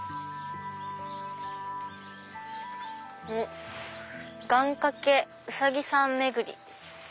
おっ「願掛け『うさぎさん巡り』」。